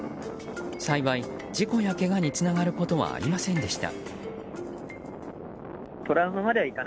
幸い、事故やけがにつながることはありませんでした。